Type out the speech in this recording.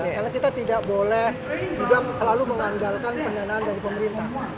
karena kita tidak boleh juga selalu mengandalkan pendanaan dari pemerintah